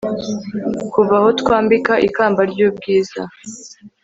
kuva aho twambika ikamba ry'ubwiza